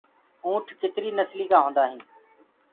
اونَٺا ڪتري نسلي ڪو هوندآ هين